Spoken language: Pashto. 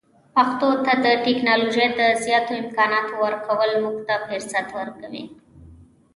پښتو ته د ټکنالوژۍ د زیاتو امکاناتو ورکول موږ ته فرصت ورکوي.